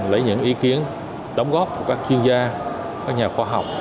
lấy những ý kiến đóng góp của các chuyên gia các nhà khoa học